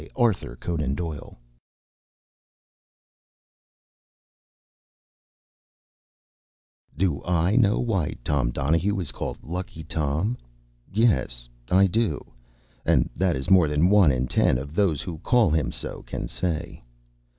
Conan Doyle Do I know why Tom Donahue is called “Lucky Tom”? Yes, I do; and that is more than one in ten of those who call him so can say.